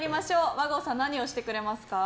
和合さん、何をしてくれますか？